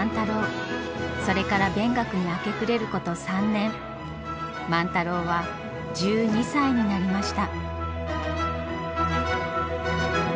それから勉学に明け暮れること３年万太郎は１２歳になりました。